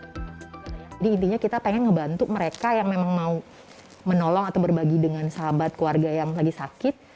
jadi intinya kita ingin membantu mereka yang memang mau menolong atau berbagi dengan sahabat keluarga yang lagi sakit